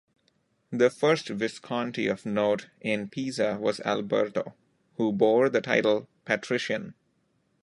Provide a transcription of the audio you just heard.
The first Visconti of note in Pisa was Alberto, who bore the title patrician.